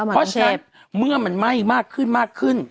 เพราะฉะนั้นเมื่อมันไหม้มากขึ้น